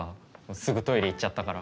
すぐトイレ行っちゃったから。